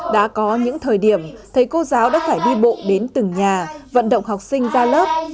đã có những thời điểm thầy cô giáo đã phải đi bộ đến từng nhà vận động học sinh ra lớp